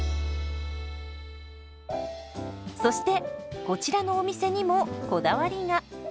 そしてこちらのお店にもこだわりが。